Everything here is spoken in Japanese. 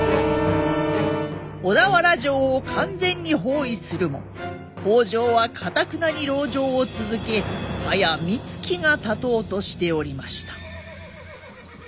小田原城を完全に包囲するも北条はかたくなに籠城を続け早みつきがたとうとしておりました。